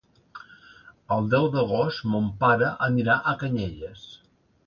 El deu d'agost mon pare anirà a Canyelles.